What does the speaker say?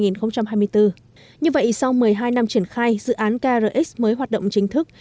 như vậy sau một mươi hai năm triển khai dự án krx mới hoạt động chính thức